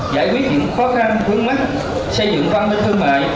giải quyết những khó khăn vướng mắt xây dựng văn minh thương mại